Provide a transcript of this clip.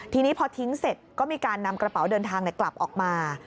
ทีนี้พอทิ้งเสร็จก็มีการนำกระเป๋าเดินทางกลับออกมา